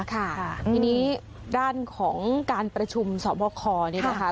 ค่ะทีนี้ด้านของการประชุมสอบคอเนี่ยนะคะ